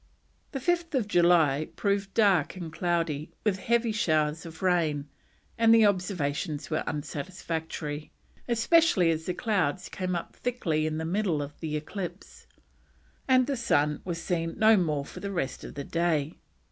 July 5th proved dark and cloudy, with heavy showers of rain, and the observations were unsatisfactory, especially as the clouds came up thickly in the middle of the eclipse, and the sun was seen no more for the rest of the day.